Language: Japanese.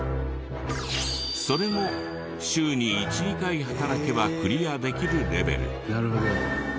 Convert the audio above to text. それも週に１２回働けばクリアできるレベル。